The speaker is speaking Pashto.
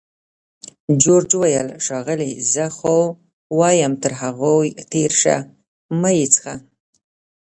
جورج وویل: ښاغلې! زه خو وایم تر هغوی تېر شه، مه یې څښه.